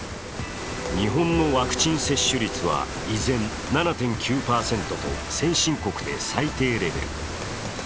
日本のワクチン接種率は依然、７．９％と先進国で最低レベル。